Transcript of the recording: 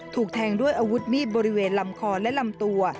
ถูกแทงด้วยอาวุธมีดบริเวณลำคอและลำตัว